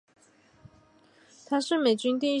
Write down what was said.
她是美军第一艘以内布拉斯加州为名的军舰。